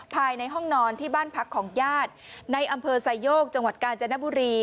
ภายในห้องนอนที่บ้านพักของญาติในอำเภอไซโยกจังหวัดกาญจนบุรี